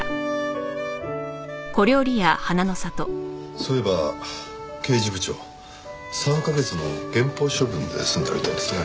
そういえば刑事部長３カ月の減俸処分で済んだみたいですね。